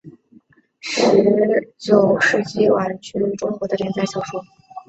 中国的连载小说始于十九世纪晚期。